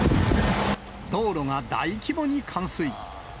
道路が大規模に冠水。